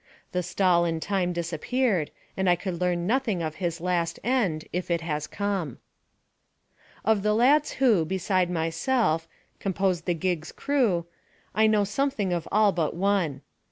The stall in time disappeared, and I could learn nothing of his last end, if it has come. Of the lads who, beside myself, composed the gig's crew, I know something of all but one.